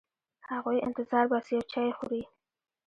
هغوی انتظار باسي او چای خوري.